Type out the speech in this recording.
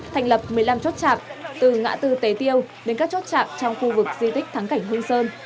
thành lập một mươi năm chốt chạm từ ngã tư tế tiêu đến các chốt chạm trong khu vực di tích thắng cảnh hương sơn